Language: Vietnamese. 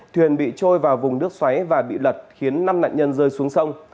thuyền bị trôi vào vùng nước xoáy và bị lật khiến năm nạn nhân rơi xuống sông